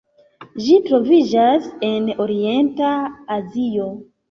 Ĝi troviĝas en Orienta Azio.